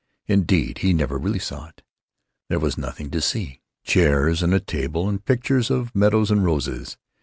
Indeed, he never really saw it. There was nothing to see—chairs and a table and pictures of meadows and roses.